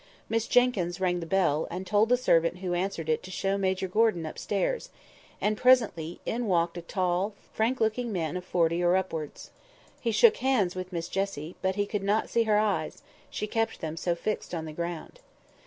Miss Jenkyns rang the bell, and told the servant who answered it to show Major Gordon upstairs; and, presently, in walked a tall, fine, frank looking man of forty or upwards. He shook hands with Miss Jessie; but he could not see her eyes, she kept them so fixed on the ground.